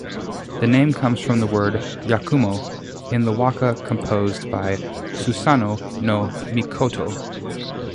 The name comes from the word "Yakumo" in the Waka composed by Susanoo-no-Mikoto.